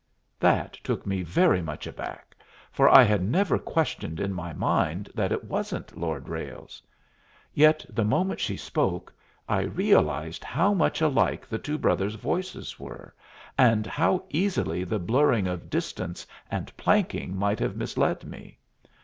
That took me very much aback, for I had never questioned in my mind that it wasn't Lord Ralles. Yet the moment she spoke, I realized how much alike the two brothers' voices were, and how easily the blurring of distance and planking might have misled me.